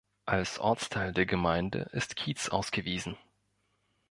Als Ortsteil der Gemeinde ist Kietz ausgewiesen.